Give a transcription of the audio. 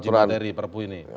atau menguji materi perpu ini